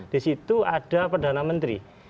di situ ada perdana menteri